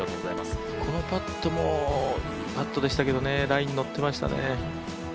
このパットもいいパットでしたが、ラインに乗ってましたね。